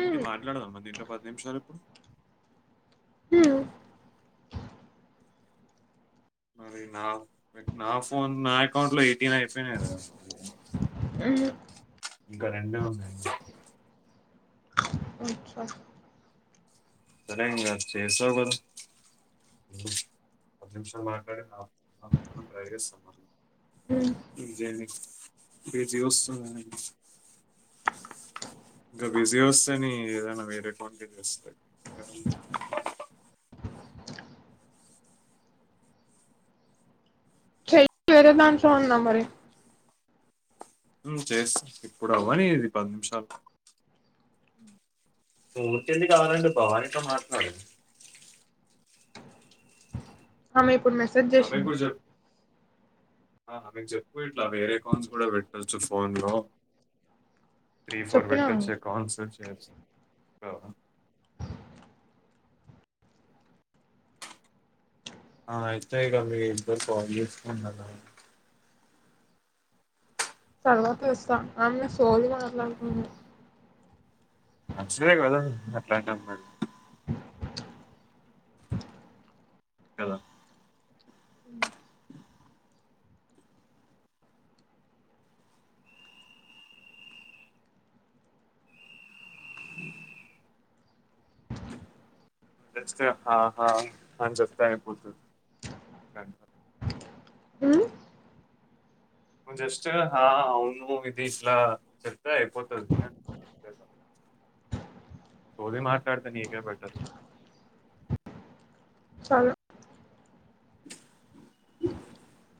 ఏంటి మాట్లాడదామ్మా దీంట్లో పది నిమిషాలు ఇప్పుడు హ మరి నా నా ఫోన్ నా అకౌంట్ లో ఎయిటీన్ అయిపోయినా కద ఆ ఇంకా రెండు ఉన్నాం ఓకే సరేంగా చే సగుదు పది నిమిషం మాై సమాం జ ఏజవస్తుంది ఇంకా బిజీ వస్తాని ఏదైనా వేరే కోౌంట్కి చేస్తా [unintelligible] చెయ్యి వేరే దాంట్లో ఉన్నా మరి చేస్త ఇప్పుడు అవ్వని ఇది పది నిమిషాలు మూర్తి అది కావాల భవానితో మాట్లాడు ఆమె ఇప్పుడు మెసేజ్ ఆమె చేసింది కూడా చెప్పు ఆ మీకు చెప్పు ఇట్లా వేరే కాన్స్ కూడా పెట్టొచ్చు ఫోన్ లో త్రీ ఫోర్ చెప్పినా పెట్టొచ్చే కాన్సల్ చేయేచ్చు ఆ ఇతే క ఇబ కాాలస్కున్న తలనొప్పిలేస్తాంది ఆమె సోలు మాట్లాడుతుంది మంచిలే కదా అట్లాంటే అమ కదా ఉ అ స్ఆహా అని జేప్పతాయిపొతది ఉ ను్ జస్ట్ హా అవును ఇది ఇట్లా చెప్తే అయిపోతుది అంట తోది మాట్లాడుతే నీకాపట్టదు చాలు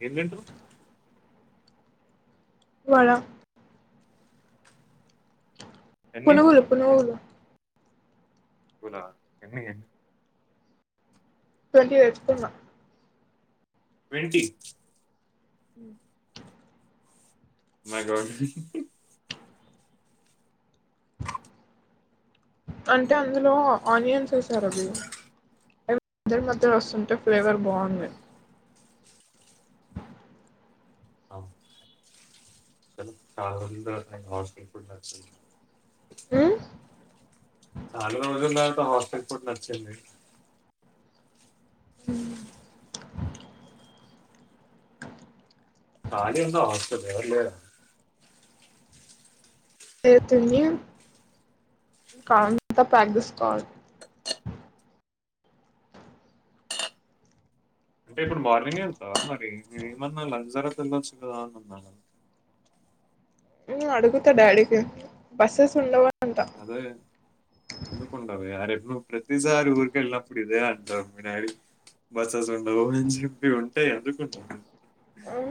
ఎందింటారు వళ ఎన్ని? పునుగులు పునుగులు ఇలా ఎన్ని ఎన్ని ట్వంటీ తెచ్చుకున్న ట్వంటి ఊ మకు [unintelligible] అంటే అందులో ఆనియన్స్ ఎస్తారా మీరు ఏ మధ్యల మధ్యల వస్తుంటే ఫ్లేవర్ బావుంది హ చలో [unintelligible] ఊ చాలా రోజుల తర్వాత హాస్టల్ ఫుడ్ నచ్చింది. కాలి ఉంది హాస్టల్ ఎవరు లేరా ఏ తుంది కావున్ అంత ప్యాక్ చేయసుకోవాలి అంటే ఇప్పుడు మార్నింగ్ గే వెళ్తావా మరి నేను ఏమన్నా లగ్జర కి వెళ్ళొచ్చు కదా అన్నాను హు అడుగుతా డాడీకి బస్సెస్ ఉండవా అదే ఎందుకు ఉండవే అరే నువ్వు ప్రతిసారి ఊరు కెళ్లి నప్పుడు ఇదే అంటావు మీ డాడీ బసెస్ ఉండవు అని చెప్పి ఉంటాయి ఎందుకుండవు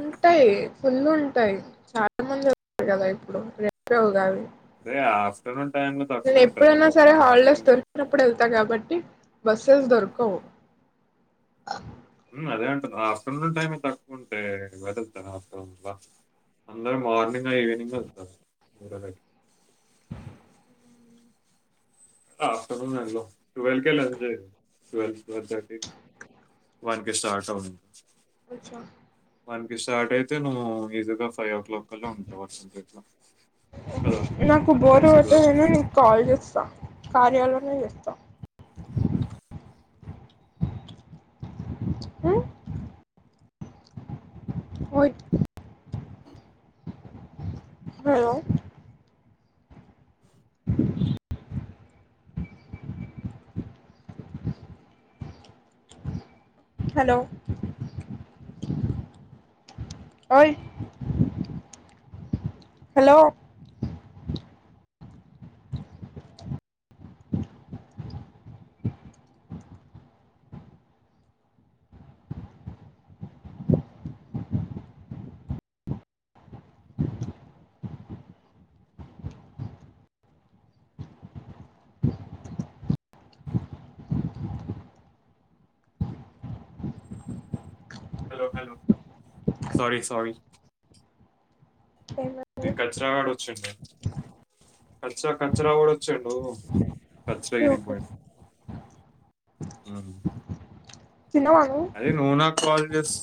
ఉంటాయి ఫుల్ ఉంటాయి చాలా మంది [inaudible] కదా ఇప్పుడు రేపే ఉగాది అదే ఆఫ్టర్నూన్ టైంలో నేను తక్కువ ఉంటుంది ఎప్పుడైనా సరే హల్డేస్ మార్నింగ్ దొరికినప్పుడు వెళ్తా కాబట్టి బస్సులు దొరకవు హు అదే అంటున్న ఆఫ్టర్నూన్ టైం లో తక్కువ ఉంటే వెతుకుతాను [unintelligible] అందరు మార్నింగ్ లా ఈవెనింగ్ లా వెళ్తారు దూరాలకి ఆఫ్టర్ నూన్ వెళ్ళవు ట్వీల్వ్ కే లగ్జరీ టువెల్ థర్టీ కి వన్ కి స్టార్ట్ అవు [unintelligible] వన్ కి స్టార్ట్ అయితే నువ్వు ఈజీగా ఫైవ్ ఓ క్లాక్ కల్లా ఉంటావు హర్షన్ పేటలో నాకు బోర్ కొడితే దానే నీకు కాల్ చేస్తా కార్యాలోనే చేస్తా. తా హు ఓయ్ హలో [inaudible] హలో ఓయ్ hello hello hello sorry sorry okay మీ కచ్చరాగాడు వచ్చిండు. కచ్చరా కచ్చరా పోవచ్చు నువ్వు కచ్చరా ఈయనకి ఓకే పోయిన [unintelligible] తిన్నావా నువ్వు అదే నవ్వు నాకు కాల్ జెస్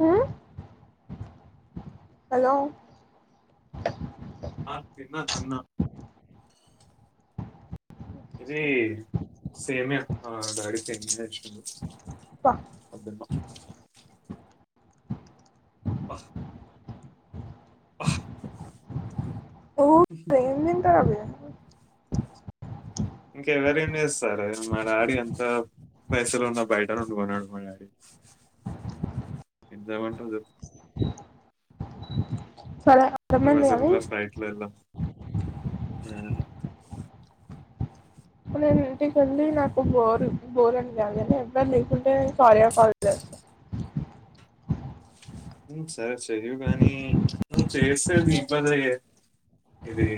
హు హలో ఆ తిన్న తిన్న ఇది సేమియా ఆ డాడి సేమియా చేసిండు. అబ్బా వద్దమ్మా అబ్బా అబ్బా! ఊ ఏం తింటారు అవి [unintelligible] ఇంకా ఎవరేం చేస్తారే మా డాడి అంత పైసలు ఉన్నా బయటనుండి కొనియ్యడు మా డాడీ ఏం చేయమంటావు చెప్పు. సరే వంట అర్థమైంది పైసలు ఉన్న కానీ ఫ్లైట్లో వెళ్దాం నేను ఇంటికి ఏళ్లి నాకు బోర్ బోర్ అని కాదు గానీ ఎవరు లేకుంటే ఆడియో కాల్ చేస్తా ట్రైన్ సౌండ్ సరే చెయ్యవు కాగానీ నువ్వు చేస్తే నీ ఇబ్బందే ఇది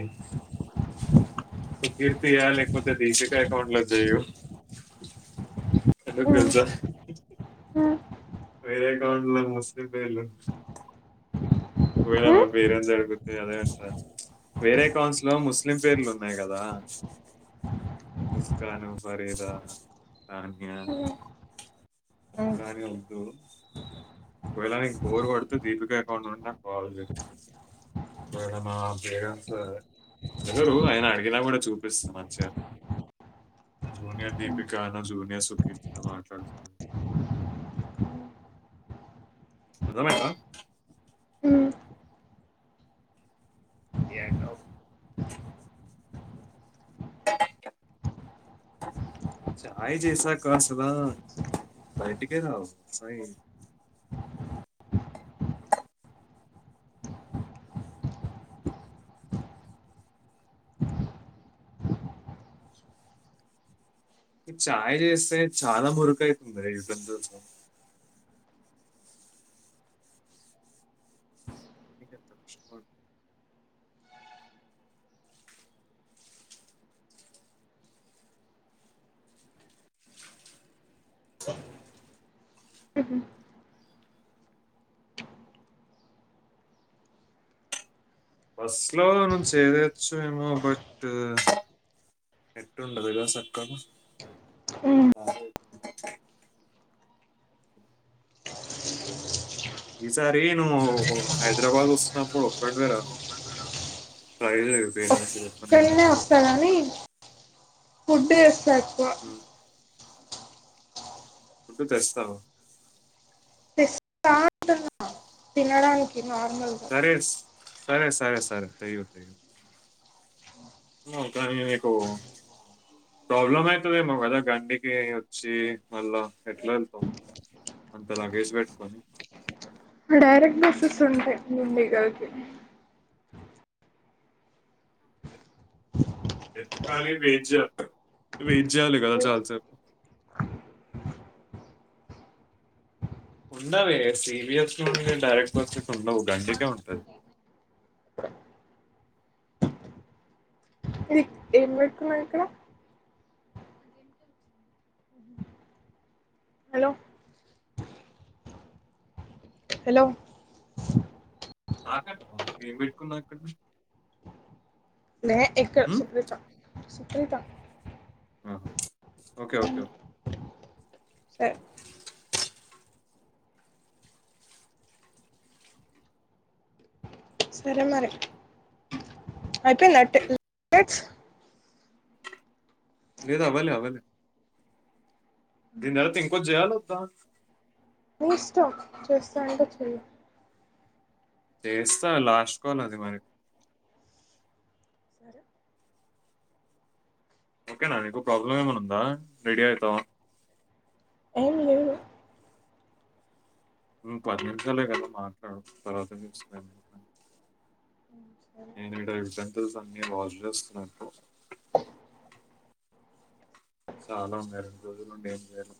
కీర్తియా లేకపోతే దీక్షిక అకౌంట్లో చేయి. ఎందుకు తెలుసా వేరే అకౌంట్ లో ముస్లిం పేర్లు ఒకవేళ మనం పేరెంట్స్ అది గుర్తుగా అదే అంటారు వేరే అకౌంట్స్ లో లో ముస్లిం పేర్లు ఉన్నాయి కదా ఉస్కాను భరేద అన్యా అట్లార ఉంట ఒకవేళ బోర్ కొడితే దీపిక అకౌంట్ నుండి కాల్ చెయ్ ఒకవేళ మా పేరెంట్స్ అడగరు ఆయన అడిగినా కూడా చూపిస్త మంచిగా నా జూనియర్ దీపిక నా జూనియర్ సుకీర్తితో మాట్లాడుతున్నాను అర్థమైందా ఏ కావు ట్రైన్ సౌండ్ చాయ్ చేస్తా కాస్తదా భటికే కావు సయి ట్రైన్ సౌండ్ చాయ్ చేస్తే చాలా మురుక అవుతుంది ఇక ఏం చేస్తావ్ సవాల్ ఆ ఊ హు బస్సు లో ను చేదేయచ్చు ఏమో బట్ ఎట్లుంటదో అసలు గా ఈసారి నువ్వు హైదరాబాద్ వస్తున్నప్పుడు ఒటివేరా సైడ్ అయిపోయిన ఇక్కడనే వస్తారని ఫుడ్ తెస్తారు ఉమ్, ఫుడ్ తెస్తావా రా అంటున్న తినడానికినికి సరే సరే సరే సరే తీయయు తీయయు నీకు ప్రాబ్లమ్ అవుతుందిమో కదా గండికి వచ్చి మళ్ళా ఎట్లా వెళ్తా అంతలాగేసి పెట్టుకొని డైరెక్ట్ బస్సెస్ ఉంటాయి మీడిగాకి ట్రైన్ సౌండ్ ఎంతకాల వెజ్ వెజయాలి కదా చాలసేపు ఉండవి సిబిఎస్ నుండి డైరెక్ట్ బస్సెస్ ఉండవు గటకే ఉంటది బాంబు సౌండ్ ఇది ఏం పెట్టుకున్నావ్ ఇక్కడ హలో హలో నాకడ ను ఏం పెట్టుకున్నా అక్కడ ఇక్కడ సుప్రిత సుప్రిత ఆహా ఓకే ఓకే సరే సరే మరి అయిపోయింద ఓకే టెన్ మినిట్స్ లేదా అవ్వలే అ్వలే ఈ నెల టిక్ కొజ్జు చేయాలా వాద మీ ఇష్టం చేస్తా అంటే చెయి చేస్తా లాస్ట్ కాల్ అది మరి సరే ఓకేనా నీకు ప్రాబ్లం ఏమైనా ఉందా రెడీ అవుతాం ఏంలేదు పది నిముషాలే కదా మాట్లాడు తర్వాత చెస్ నేను ఈడ షేఖిల్స్ అన్నీ వష్ చేస్తున్నాను చాలా ఉన్నాయి రెండు రోజులుండి ఏం చేయను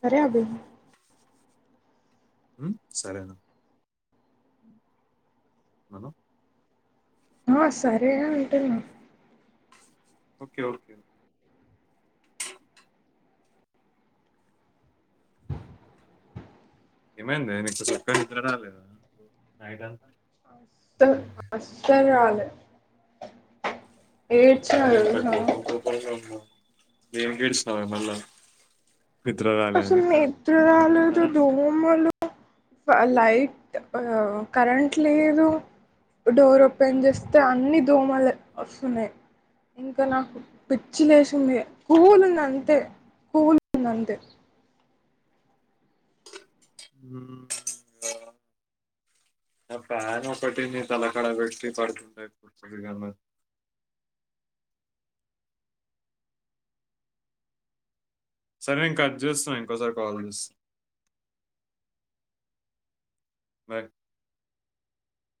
సరే అభి ఉ సరేన మన్ను ఆ సరే అని అంటున్నా ఓకే ఓకే ఏమైంది నీకు చక్కగా నిద్ర రాలేదా నైట్ అంతా ఉ అస్సలు రాలే ఏడ్చిన అదే ఇంకా తెలుసా కోపం కోపంమ్గా ఉన్నావ్ దేనికి ఎడుస్తానావే మళ్ళా నిద్ర రాలే అసలు అని. నిద్ర రాలేదు దోమలు ఆ లైట్ కరెంట్ లేదు డోర్ ఓపెన్ చేస్తే అన్నిీ దోమలు వస్తున్నాయి. ఇంకా నాకు పిచ్చి లేసింది కుల్ ఉంది అంతే కూల్ గా ఉంది అంతే హ్మ్. ప్యాన్ ఒకటింది తలకడ పెట్టి పడుతుండ పగాంలో సరే నేను కట్ చేస్తున్న ఇంకోసారి కాల్ చేస్తా వే